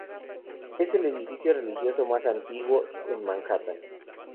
Es el edificio religioso más antiguo en Manhattan.